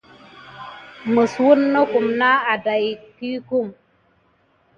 Məs wouna nà aɗaïka virmi keɗani.